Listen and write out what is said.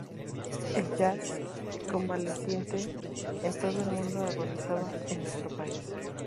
El Jazz, convaleciente en todo el mundo, agonizaba en nuestro país.